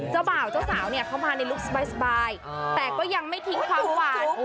เจ้าสาวเข้ามาในลูกสบายแต่ก็ยังไม่ทิ้งความหวาน